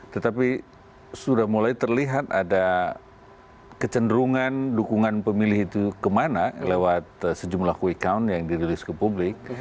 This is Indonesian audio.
tetapi sudah mulai terlihat ada kecenderungan dukungan pemilih itu kemana lewat sejumlah quick count yang dirilis ke publik